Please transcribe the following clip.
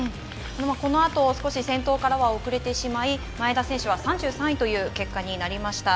このあと先頭から遅れてしまい、前田選手は３３位という結果になりました。